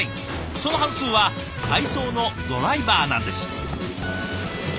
その半数は配送のドライバーなんです。